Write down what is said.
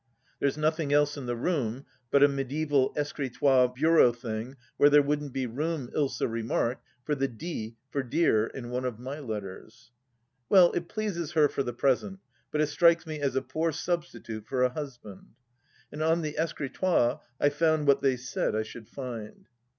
There's nothing else in the room but a mediaeval escritoire bureau thing where there wouldn't be room, Ilsa remarked, for the D. for Dear in one of my letters. Well, it pleases her, for the present, but it strikes me as a poor substitute for a husband. And on the escritoire I found what they said I should find.